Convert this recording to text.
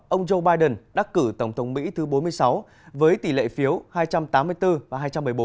ông joe biden đắc cử tổng thống mỹ thứ bốn mươi sáu với tỷ lệ phiếu hai trăm tám mươi bốn và hai trăm một mươi bốn